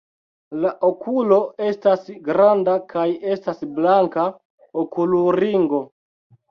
La okulo estas granda kaj estas blanka okulringo.